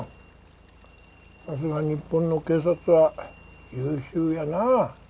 さすが日本の警察は優秀やな。